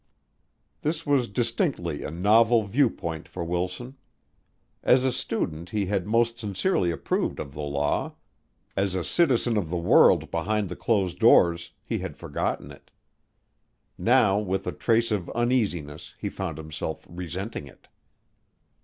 This was distinctly a novel viewpoint for Wilson. As a student he had most sincerely approved of the Law; as a citizen of the world behind the closed doors he had forgotten it. Now with a trace of uneasiness he found himself resenting it.